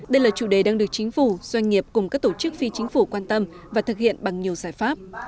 đây là chủ đề đang được chính phủ doanh nghiệp cùng các tổ chức phi chính phủ quan tâm và thực hiện bằng nhiều giải pháp